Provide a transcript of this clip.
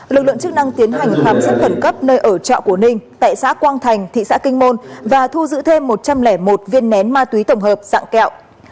lực lượng chức năng tiến hành khám xét khẩn cấp nơi ở trọ của ninh tại xã quang thành thị xã kinh môn và thu giữ thêm một trăm linh một viên nén ma túy tổng hợp dạng kẹo